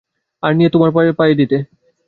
আর নিয়ে এসে তোমার পায়ে দিত।